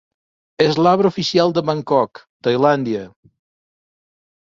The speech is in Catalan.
És l'arbre oficial de Bangkok, Tailàndia.